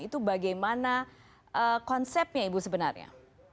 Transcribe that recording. itu bagaimana konsepnya ibu sebenarnya